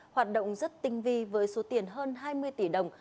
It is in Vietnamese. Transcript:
hoạt động rất tinh vi với số tiền hơn hai mươi tỷ đồng